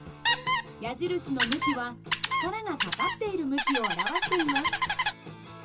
矢印の向きは力がかかっている向きを表しています。